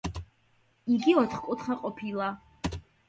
იგი ოთხკუთხა ყოფილა.